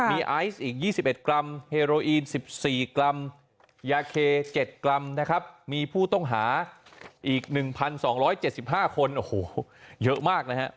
มีไอซ์อีก๒๑กรัมเฮโรอีน๑๔กรัมยาเค๗กรัมนะครับมีผู้ต้องหาอีก๑๒๗๕คนโอ้โหเยอะมากนะฮะ